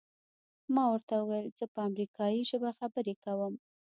ما ورته وویل زه په امریکایي ژبه خبرې کوم.